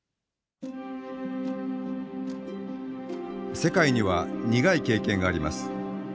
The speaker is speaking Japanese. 世界には苦い経験があります。